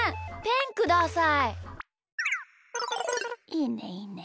いいねいいね。